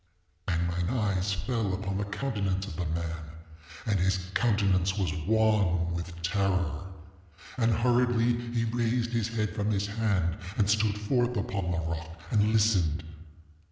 ŌĆ£And mine eyes fell upon the countenance of the man, and his countenance was wan with terror. And, hurriedly, he raised his head from his hand, and stood forth upon the rock and listened.